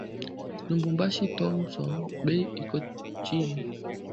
Lubumbashi thomson bei iko chini